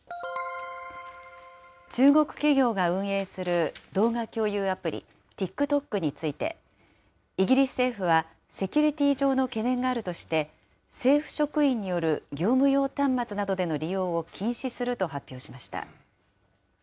中国企業が運営する動画共有アプリ、ＴｉｋＴｏｋについて、イギリス政府は、セキュリティー上の懸念があるとして、政府職員による業務用端末などでの利用を禁止すると発表しました。